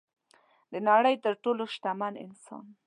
د نړۍ تر ټولو شتمن انسان